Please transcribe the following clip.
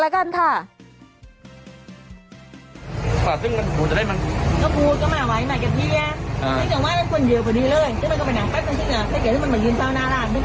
จัดกระบวนพร้อมกัน